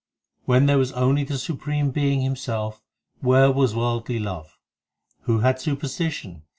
When there was only the Supreme Being Himself, Where was worldly love ? Who had superstition